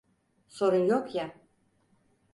Sorun yok ya?